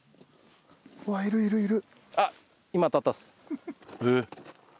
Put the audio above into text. うわっいるいるいる。